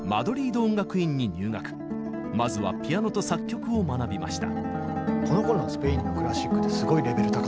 まずはピアノと作曲を学びました。